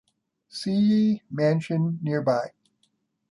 Seay Mansion nearby.